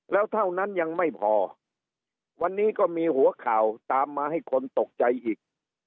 แล้วเท่านั้นยังไม่พอวันนี้ก็มีหัวข่าวตามมาให้คนตกใจอีก